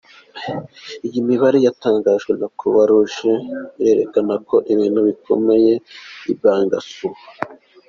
Iyi mibare yatangajwe na Croix Rouge irerekana ko ibintu bikomeye i Bangassou.